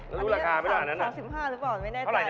รู้ราคาไปด้วยอันนั้นหรอ๓๕บาทหรือเปล่าไม่แน่ใจ